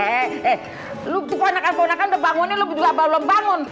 eh lu tuh ponakan ponakan udah bangunnya lu juga belum bangun